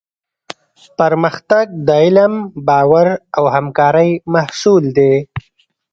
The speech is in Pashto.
پرمختګ د علم، باور او همکارۍ محصول دی.